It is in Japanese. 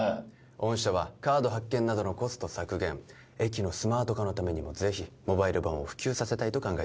御社はカード発券などのコスト削減駅のスマート化のためにもぜひモバイル版を普及させたいと考え